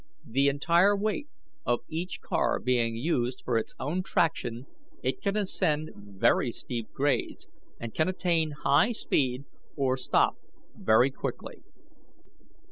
The entire weight of each car being used for its own traction, it can ascend very steep grades, and can attain high speed or stop very quickly.